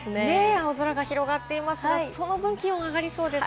青空が広がっていますが、その分、気温が上がります。